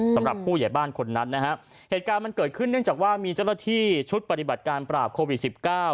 สำหรับผู้ใหญ่บ้านคนนั้นนะฮะเหตุการณ์มันเกิดขึ้นเนื่องจากว่ามีเจ้าหน้าที่ชุดปฏิบัติการปราบโควิดสิบเก้า